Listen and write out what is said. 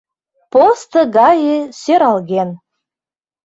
Посто гае сӧралген.